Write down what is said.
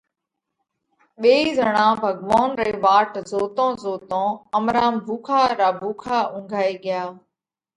ُو ٻيئي زڻا ڀڳوونَ رئِي واٽ زوتون زوتون امرام ڀُوکا را ڀُوکا اُنگھائي ريا۔